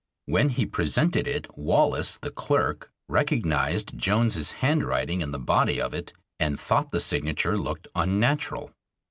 When he presented it, Wallace, the clerk, recognized Jones's handwriting in the body of it, and thought the signature looked unnatural.